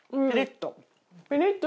ピリッと。